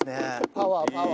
パワーパワー。